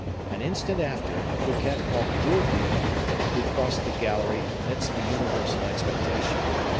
An instant after, Fouquet called Gourville, who crossed the gallery amidst the universal expectation.